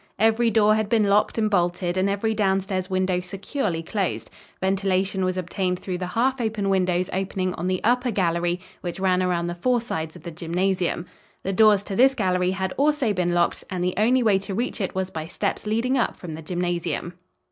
Every door had been locked and bolted and every downstairs window securely closed. Ventilation was obtained through the half open windows opening on the upper gallery, which ran around the four sides of the gymnasium. The doors to this gallery had also been locked and the only way to reach it was by steps leading up from the gymnasium.